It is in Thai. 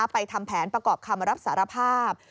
ทำแผนประกอบคำรับสารภาพ